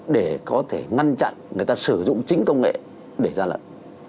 để có thể ngăn chặn người ta sử dụng chính công nghệ để gian lận